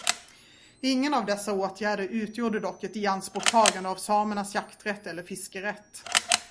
Ingen av dessa åtgärder utgjorde dock ett ianspråktagande av samernas jakträtt eller fiskerätt.